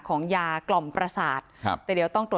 จน๘โมงเช้าวันนี้ตำรวจโทรมาแจ้งว่าพบเป็นศพเสียชีวิตแล้ว